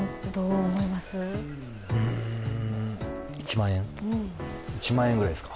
うん１万円ぐらいですか？